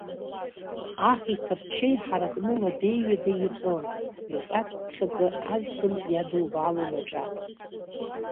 Аҳ иҭарчеи ҳаракны ладеи-ҩадеи ирҟьон, ирҟьацԥхьаӡа азганк иадубаалон аҿа.